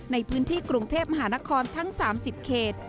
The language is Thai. ในพื้นที่กรุงเทพมหานครทั้ง๓๐เขต